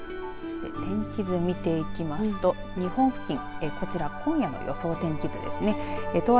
そして、天気図見ていきますと日本付近こちら今夜の予想天気図です。